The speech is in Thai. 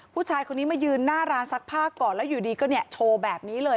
ผู้ชายคนนี้มายืนหน้าร้านซักผ้าก่อนแล้วอยู่ดีก็เนี่ยโชว์แบบนี้เลย